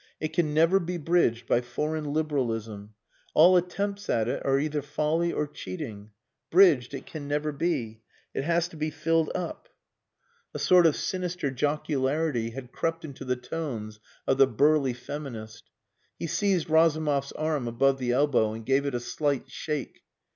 It can never be bridged by foreign liberalism. All attempts at it are either folly or cheating. Bridged it can never be! It has to be filled up." A sort of sinister jocularity had crept into the tones of the burly feminist. He seized Razumov's arm above the elbow, and gave it a slight shake.